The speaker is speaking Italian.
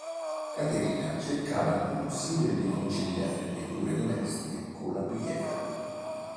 Caterina cercava il più possibile di conciliare le cure domestiche con la preghiera.